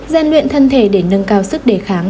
gian luyện thân thể để nâng cao sức đề kháng